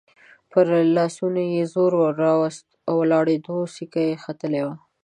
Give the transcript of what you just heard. پر لاسونو يې زور راووست، د ولاړېدو سېکه يې ختلې وه.